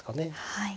はい。